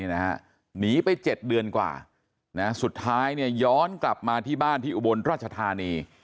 หนีไป๗เดือนกว่าสุดท้ายย้อนกลับมาที่บ้านที่อุบลราชธานี